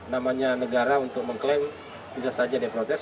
namanya negara untuk mengklaim bisa saja dia protes